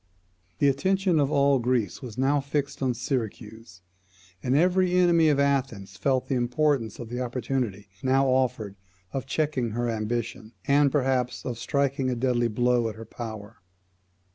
The attention of all Greece was now fixed on Syracuse; and every enemy of Athens felt the importance of the opportunity now offered of checking her ambition, and, perhaps, of striking a deadly blow at her power.